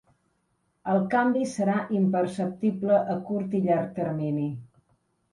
El canvi serà imperceptible a curt i llarg termini.